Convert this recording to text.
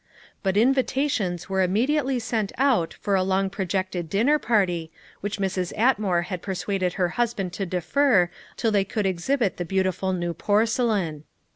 But invitations were immediately sent out for a long projected dinner party, which Mrs. Atmore had persuaded her husband to defer till they could exhibit the beautiful new porcelain.